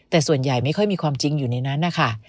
แต่ส่วนใหญ่ไม่ค่อยมีความจริงอยู่ในนั้นนะคะ